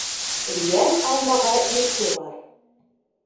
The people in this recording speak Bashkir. Йән алмаға ирке бар.